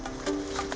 dan hutan ketua ketua